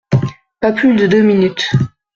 Pas plus de deux minutes.